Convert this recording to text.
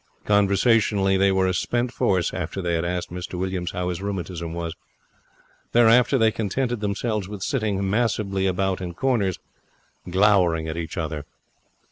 Conversationally they were a spent force after they had asked Mr Williams how his rheumatism was. Thereafter they contented themselves with sitting massively about in corners, glowering at each other.